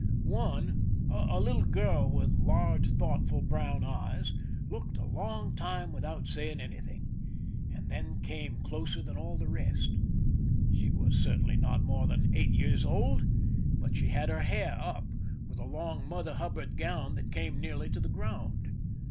One, a little girl with large, thoughtful brown eyes, looked a long time without saying anything, and then came closer than all the rest. She was certainly not more than eight years old, but she 233 THE SINKINa OF THE "MERRIMAC" had her hair up, with a long Mother Hubbard gown that came nearly to the ground.